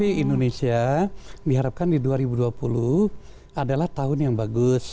di indonesia diharapkan di dua ribu dua puluh adalah tahun yang bagus